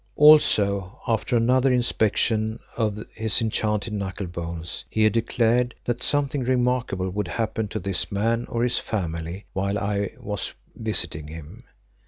Also, after another inspection of his enchanted knuckle bones, he had declared that something remarkable would happen to this man or his family, while I was visiting him.